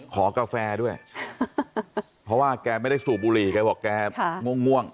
กาแฟด้วยเพราะว่าแกไม่ได้สูบบุหรี่แกบอกแกง่วง